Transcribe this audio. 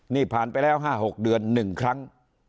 นี่ผ่านไปแล้ว๕๖เดือน๑ครั้ง